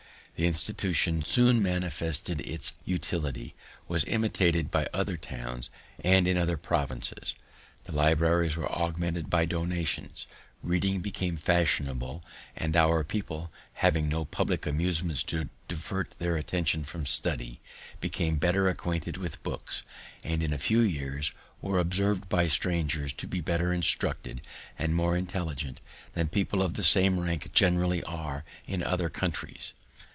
The institution soon manifested its utility, was imitated by other towns, and in other provinces. The libraries were augmented by donations; reading became fashionable; and our people, having no publick amusements to divert their attention from study, became better acquainted with books, and in a few years were observ'd by strangers to be better instructed and more intelligent than people of the same rank generally are in other countries.